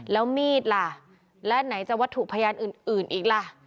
แล้วมีดล่ะและไหนจะวัตถุพยานอื่นอีกล่ะ